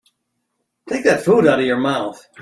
Take that food out of your mouth.